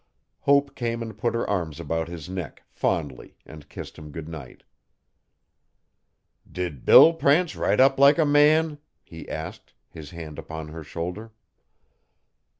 Hope came and put her arms about his neck, fondly, and kissed him good night. 'Did Bill prance right up like a man?' he asked, his hand upon her shoulder.